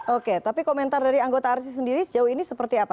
oke tapi komentar dari anggota arsi sendiri sejauh ini seperti apa